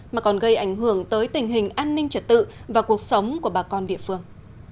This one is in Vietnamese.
mà còn gây ảnh hưởng tới tình hình an ninh trật tự và cuộc sống của bà con địa phương